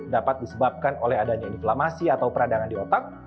dapat disebabkan oleh adanya inflamasi atau peradangan di otak